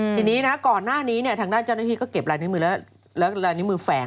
ทีนี้นะก่อนหน้านี้ทางด้านเจ้าหน้าที่ก็เก็บลายนิ้วมือและลายนิ้วมือแฝง